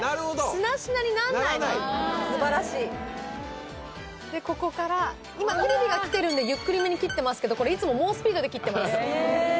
しなしなになんないすばらしいここから今テレビが来てるんでゆっくりめに切ってますけどこれいつも猛スピードで切ってます